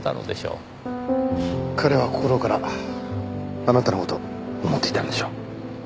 彼は心からあなたの事を思っていたのでしょう。